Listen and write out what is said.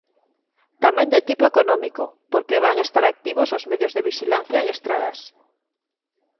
Tamén de tipo económico, porque van estar activos os medios de vixilancia en estradas.